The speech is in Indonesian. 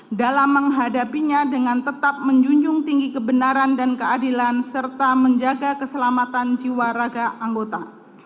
dalam menghadapinya dengan tetap menjunjung tinggi kebenaran dan keadilan serta menjaga keselamatan jiwa raga anggota